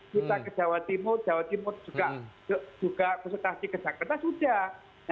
kita ke jawa timur jawa timur juga konsultasi ke jakarta sudah